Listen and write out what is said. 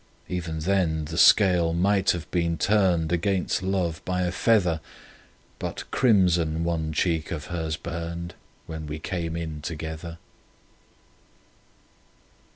Even then the scale might have been turned Against love by a feather, —But crimson one cheek of hers burned When we came in together.